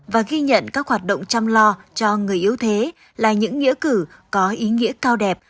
và ghi nhận các hoạt động chăm lo cho người yếu thế là những nghĩa cử có ý nghĩa cao đẹp